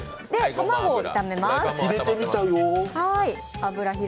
卵を炒めます。